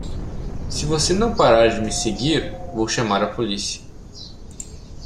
Se você não parar de me seguir, vou chamar a polícia.